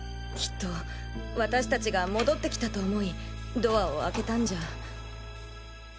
きっと私達が戻って来たと思いドアを開けたんじゃ。